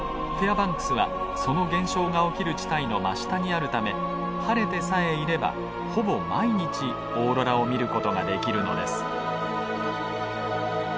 バンクスはその現象が起きる地帯の真下にあるため晴れてさえいればほぼ毎日オーロラを見る事ができるのです。